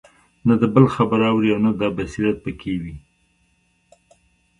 نه د بل خبره اوري او نه دا بصيرت په كي وي